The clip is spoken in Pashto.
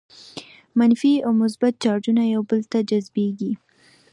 منفي او مثبت چارجونه یو بل ته جذبیږي.